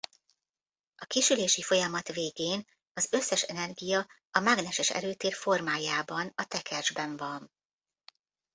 A kisülési folyamat végén az összes energia a mágneses erőtér formájában a tekercsben van.